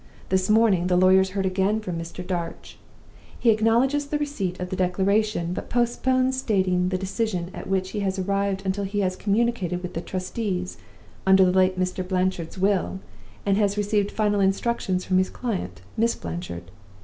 This morning the lawyers heard again from Mr. Darch. He acknowledges the receipt of the Declaration, but postpones stating the decision at which he has arrived until he has communicated with the trustees under the late Mr. Blanchard's will, and has received his final instructions from his client, Miss Blanchard.